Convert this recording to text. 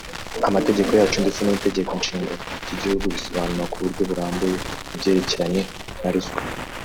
amategeko yacu ndetse n’itegeko nshinga ry’igihugu bisobanura ku buryo burambuye ibyerekeranye na ruswa